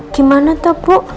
gimana tuh bu